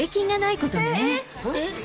「えっ！